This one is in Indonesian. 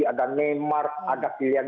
ada neymar ada pilihan